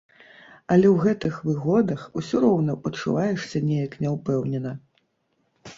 Але ў гэтых выгодах усё роўна пачуваешся неяк няўпэўнена.